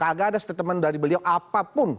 kagak ada statement dari beliau apapun